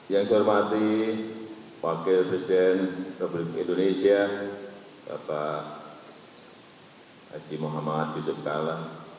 yang saya hormati wakil presiden republik indonesia bapak haji muhammad yusuf kalla